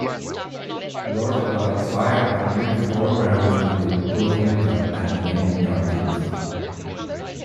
"Lord Clive" fired a mere four rounds with the replacement gun at enemy targets.